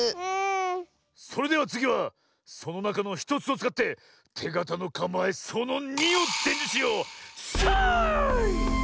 それではつぎはそのなかの１つをつかっててがたのかまえその２をでんじゅしよう。さい！